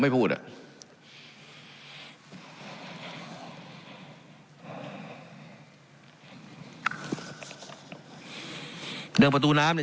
การปรับปรุงทางพื้นฐานสนามบิน